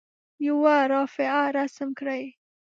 یوه رافعه رسم کړئ.